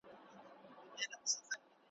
نه په میو کي مزه سته نه ساقي نه هغه جام دی `